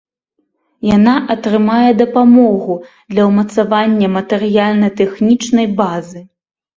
Яна атрымае дапамогу для ўмацавання матэрыяльна-тэхнічнай базы.